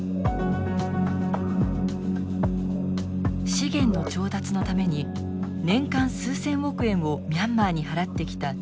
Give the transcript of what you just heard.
資源の調達のために年間数千億円をミャンマーに払ってきた中国。